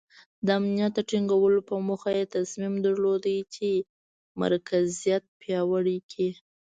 د امنیت د ټینګولو په موخه یې تصمیم درلود چې مرکزیت پیاوړی کړي.